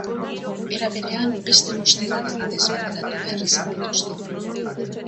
Era berean, beste bost hegaldi desbideratu behar izan dituzte.